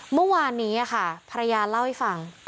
เมื่อวานนี้ค่ะภรรยาเล่าให้ฟัง